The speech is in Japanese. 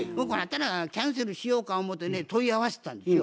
キャンセルしようか思うてね問い合わせたんですよ。